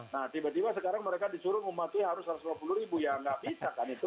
nah tiba tiba sekarang mereka disuruh rumah itu yang harus rp satu ratus lima puluh ya nggak bisa kan itu